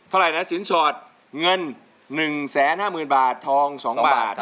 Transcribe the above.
เท่าไหร่นะสินสอดเงิน๑๕๐๐๐บาททอง๒บาท